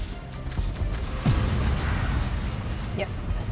aku mau kantor ya